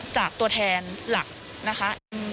ตัวแทนหลักนะคะ